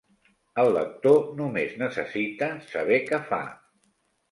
El lector només necessita saber què fa.